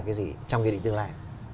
cái gì trong kỳ định tương lai